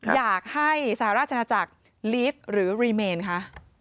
อยากให้สหราชนาจักรลีฟหรือรีเมนคะ